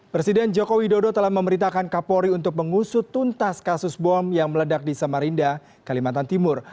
presiden jokowi dodo telah memerintahkan kapolri untuk mengusut tuntas kasus bom yang meledak di samarinda kalimantan timur